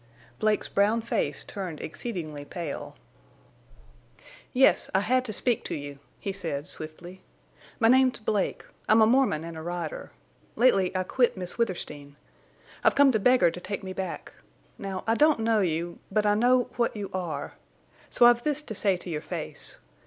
Blake's brown face turned exceedingly pale. "Yes, I had to speak to you," he said, swiftly. "My name's Blake. I'm a Mormon and a rider. Lately I quit Miss Withersteen. I've come to beg her to take me back. Now I don't know you; but I know—what you are. So I've this to say to your face.